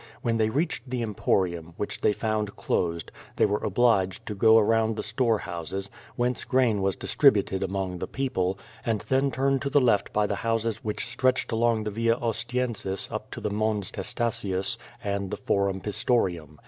When they reached the Emporium, which they found closed, they were obliged to go around the store houses, whence grain was distributed among the people, and then turn to the left by the houses which stretched along the Via Ostiensis up to the Mons Tes tacius and the Forum Pistorium.